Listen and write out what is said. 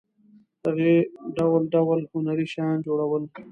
هغې ډول ډول هنري شیان جوړول.